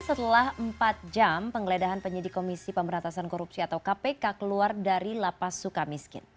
setelah empat jam penggeledahan penyidik komisi pemberantasan korupsi atau kpk keluar dari lapas suka miskin